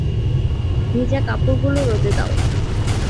ভিজা কাপড়্গুলো রোদে দাও।